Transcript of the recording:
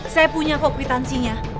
saya punya kompetensinya